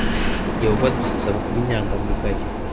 Yehova adusaba kuba inyangamugayo